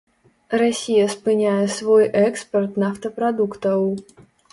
Расія спыняе свой экспарт нафтапрадуктаў.